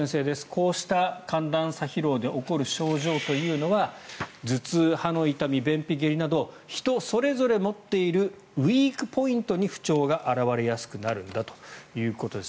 こうした寒暖差疲労で起こる症状というのは頭痛、歯の痛み、便秘・下痢など人それぞれ持っているウィークポイントに不調が表れやすくなるんだということです。